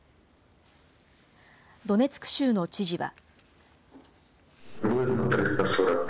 ドネツク州の知事は。